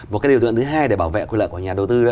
một cái điều tượng thứ hai để bảo vệ quyền lợi của nhà đầu tư